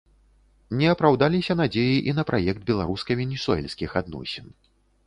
Не апраўдаліся надзеі і на праект беларуска-венесуэльскіх адносін.